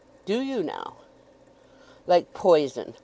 "Do you now?" "Like poison.